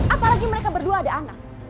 apalagi mereka berdua ada anak